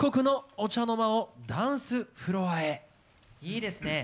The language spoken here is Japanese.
いいですね。